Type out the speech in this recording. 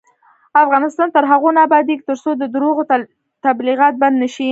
افغانستان تر هغو نه ابادیږي، ترڅو د درواغو تبلیغات بند نشي.